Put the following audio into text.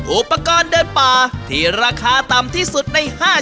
อุปกรณ์เดินป่าที่ราคาต่ำที่สุดใน๕๐